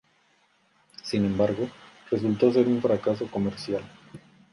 Sin embargo, resultó ser un fracaso comercial.